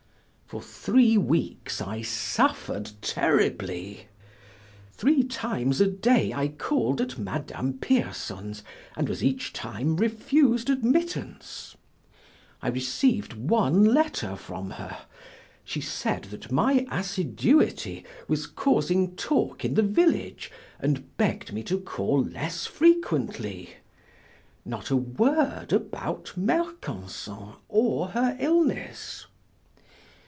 For three weeks I suffered terribly. Three times a day I called at Madame Pierson's and was each time refused admittance. I received one letter from her; she said that my assiduity was causing talk in the village and begged me to call less frequently. Not a word about Mercanson or her illness.